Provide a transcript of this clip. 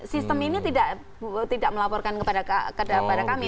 sistem ini tidak melaporkan kepada kami